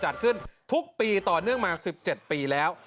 จัดขึ้นทุกปีต่อเนื่องมา๑๗ปีแล้ว